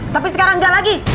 tapi sekarang gak lagi